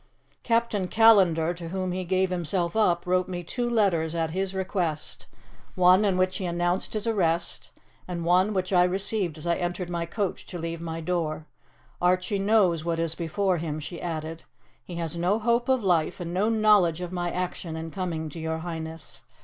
"Captain Callandar, to whom he gave himself up, wrote me two letters at his request, one in which he announced his arrest, and one which I received as I entered my coach to leave my door. Archie knows what is before him," she added; "he has no hope of life and no knowledge of my action in coming to your Highness.